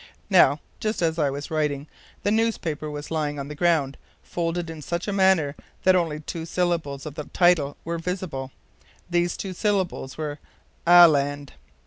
Now, just as I was writing, the newspaper was lying on the ground, folded in such a manner that only two syllables of the title were visible; these two syllables were ALAND.